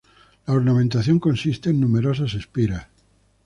La ornamentación consiste en numerosas espiras.